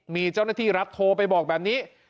มีเจ้าหน้าที่รัฐโทรไปบอกแบบนี้